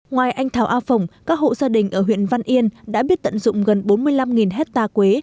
ngoài anh thảo a phồng các hộ gia đình ở huyện văn yên đã biết tận dụng gần bốn mươi năm hectare quế